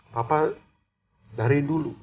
papa dari dulu